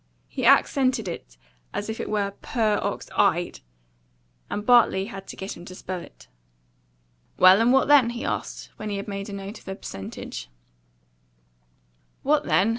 He accented it as if it were purr ox EYED; and Bartley had to get him to spell it. "Well, and what then?" he asked, when he had made a note of the percentage. "What then?"